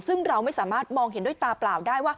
ซึ่งเราไม่สามารถมองเห็นด้วยตาเปล่าได้ว่า